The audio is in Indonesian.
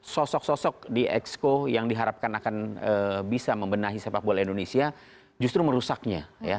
sosok sosok di exco yang diharapkan akan bisa membenahi sepak bola indonesia justru merusaknya